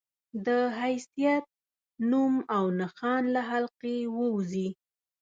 د حيثيت، نوم او نښان له حلقې ووځي